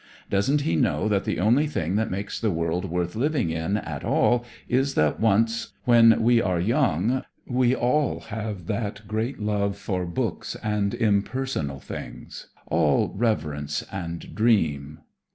Doesn't he know that the only thing that makes the world worth living in at all is that once, when we are young, we all have that great love for books and impersonal things, all reverence and dream?